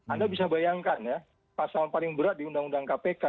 anda bisa bayangkan ya pasal yang paling berat diundang undang kpk